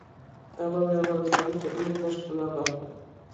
کابل د افغانستان د طبیعت د ښکلا برخه ده.